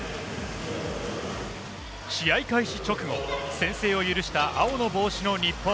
試合開始直後、先制を許した青の帽子の日本。